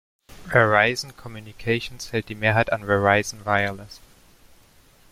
Verizon Communications hält die Mehrheit an Verizon Wireless.